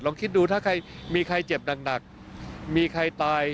คิดดูถ้าใครมีใครเจ็บหนักมีใครตาย